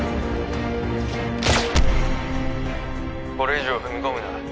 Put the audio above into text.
これ以上踏み込むな。